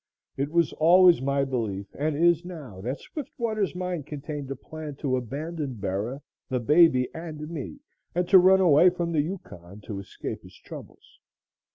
It was always my belief and is now, that Swiftwater's mind contained a plan to abandon Bera, the baby and me, and to run away from the Yukon to escape his troubles.